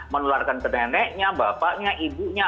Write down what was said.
menularkan ke neneknya bapaknya ibunya